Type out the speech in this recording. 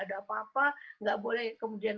ada apa apa nggak boleh kemudian